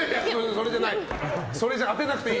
それじゃない！